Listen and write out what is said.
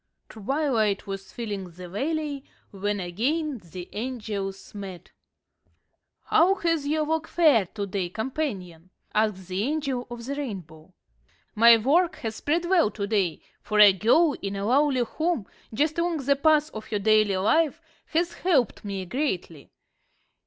Twilight was filling the valley when again the angels met. "How has your work fared to day, companion?" asked the Angel of the Rainbow. "My work has sped well to day, for a girl in a lowly home, just along the path of her daily life, has helped me greatly.